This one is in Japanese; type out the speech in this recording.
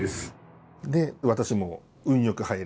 で私も運よく入れて。